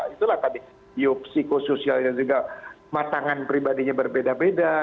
itulah tadi biopsikosoialnya juga matangan pribadinya berbeda beda